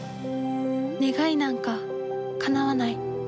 願いなんかかなわない。